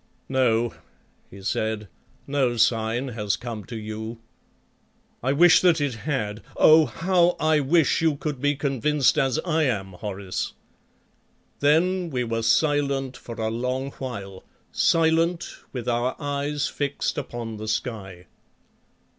"No," he said, "no sign has come to you. I wish that it had. Oh! how I wish you could be convinced as I am, Horace!" Then we were silent for a long while, silent, with our eyes fixed upon the sky.